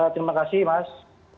terima kasih mas